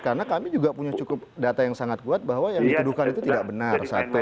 karena kami juga punya cukup data yang sangat kuat bahwa yang dituduhkan itu tidak benar